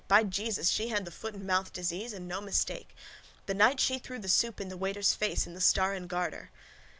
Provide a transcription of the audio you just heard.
By Jesus, she had the foot and mouth disease and no mistake! The night she threw the soup in the waiter's face in the Star and Garter.